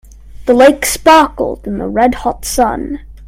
The lake sparkled in the red hot sun.